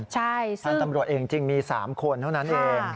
ใช่ท่านตำรวจเองจริงมี๓คนเท่านั้นเอง